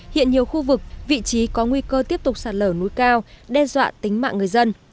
hiện nhiều khu vực vị trí có nguy cơ tiếp tục sạt lở núi cao đe dọa tính mạng người dân